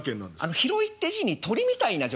広いって字に鳥みたいな字を。